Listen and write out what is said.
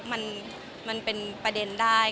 เนี้ยมันมันเป็นประเด็นได้